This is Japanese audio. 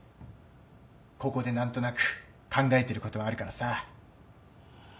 ここで何となく考えてることはあるからさ。